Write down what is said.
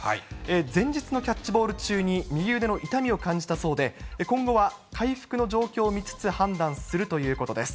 前日のキャッチボール中に右腕の痛みを感じたそうで、今後は回復の状況を見つつ判断するということです。